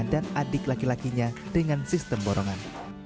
dan adik laki lakinya dengan sistem borongan